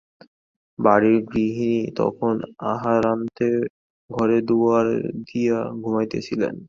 বাড়ির গৃহিণী তখন আহারান্তে ঘরে দুয়ার দিয়া ঘুমাইতেছিলেন।